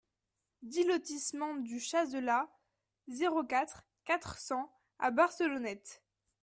dix lotissement du Chazelas, zéro quatre, quatre cents à Barcelonnette